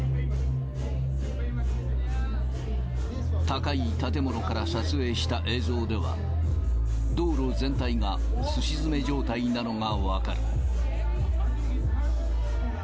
高い建物から撮影した映像では、道路全体がすし詰め状態なのが分かる。